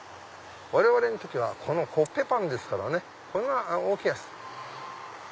我々の時はコッペパンですからねこんな大きいやつ。